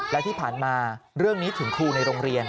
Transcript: และที่ผ่านมาเรื่องนี้ถึงครูในโรงเรียน